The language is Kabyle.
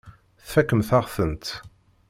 Tfakemt-aɣ-tent.